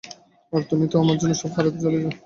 আর তুমি আমার জন্য সব হারাতে চলেছ?